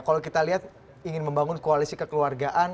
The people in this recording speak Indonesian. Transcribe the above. mereka ingin membangun koalisi kekeluargaan